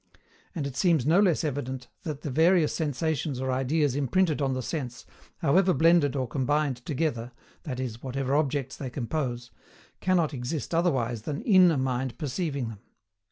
And it seems no less evident that the various sensations or ideas imprinted on the sense, however blended or combined together (that is, whatever objects they compose), cannot exist otherwise than IN a mind perceiving them.